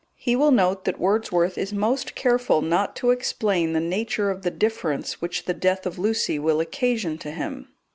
He will note that Wordsworth is most careful not to explain the nature of the difference which the death of Lucy will occasion to him.